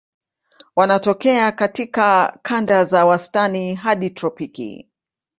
Wanatokea katika kanda za wastani hadi tropiki.